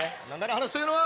話というのは。